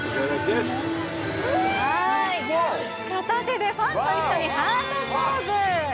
片手でファンと一緒にハートポーズ。